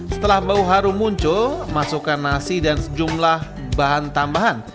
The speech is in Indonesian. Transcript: setelah bau haru muncul masukkan nasi dan sejumlah bahan tambahan